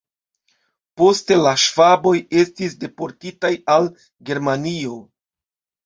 Poste la ŝvaboj estis deportitaj al Germanio.